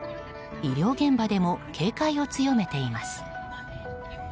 医療現場でも警戒を強めています。